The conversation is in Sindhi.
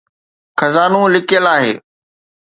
خزانو لڪيل آهي